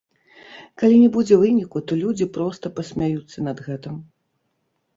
Калі не будзе выніку, то людзі проста пасмяюцца над гэтым.